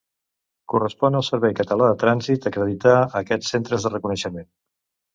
Correspon al Servei Català de Trànsit acreditar aquests centres de reconeixement.